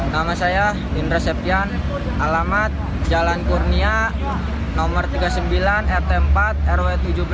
nama saya indra septian alamat jalan kurnia nomor tiga puluh sembilan rt empat rw tujuh belas